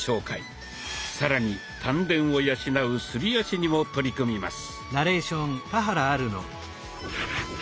更に丹田を養う「すり足」にも取り組みます。